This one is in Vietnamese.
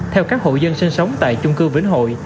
theo các hộ dân sinh sống tại chung cư vĩnh hội